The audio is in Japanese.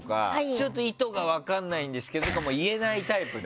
ちょっと意図が分からないですとかも言えないタイプだ。